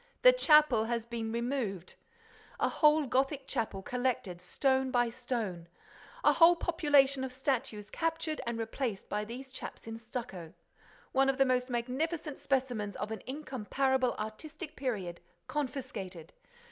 The chapel has been removed! A whole Gothic chapel collected stone by stone! A whole population of statues captured and replaced by these chaps in stucco! One of the most magnificent specimens of an incomparable artistic period confiscated!